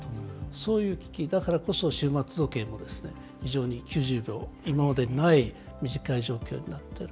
そういう危機、だからこそ終末時計も非常に９０秒、今までにない短い状況になっている。